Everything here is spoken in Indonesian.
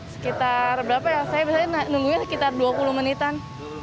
sekitar berapa ya saya biasanya nunggunya sekitar dua puluh menitan